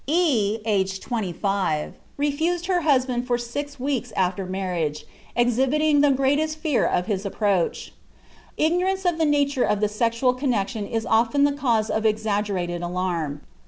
E, aged 25, refused her husband for six weeks after marriage, exhibiting the greatest fear of his approach. Ignorance of the nature of the sexual connection is often the cause of exaggerated alarm.